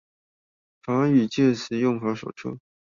法語介詞用法手冊